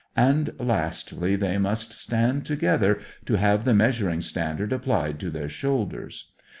And, lastly, they must stand together to have the measuring standard applied to their shoulders.